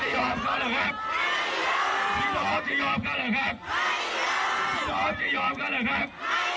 พี่น้องจะยอมเข้าหรือครับพี่น้องจะยอมเข้าหรือครับ